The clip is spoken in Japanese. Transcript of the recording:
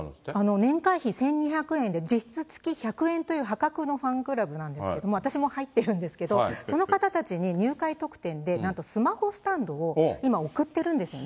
年会費１２００円で実質月１００円という破格のファンクラブなんですけれども、私も入ってるんですけど、その方たちに入会特典で、なんとスマホスタンドを、今、送ってるんですよね。